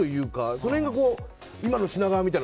その辺が、今の品川みたいな。